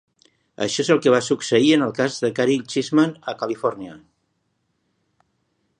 Això és el que va succeir en el cas de Caryl Chessman a Califòrnia.